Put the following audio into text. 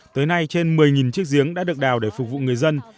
tới nay trên một mươi chiếc giếng đã được đào để phục vụ người dân